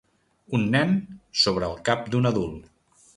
Un nen sobre el cap d'un adult.